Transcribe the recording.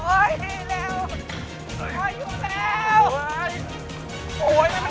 โอ๊ยมันมิ่งเร็วขึ้นเรื่อยว่ะเนี่ย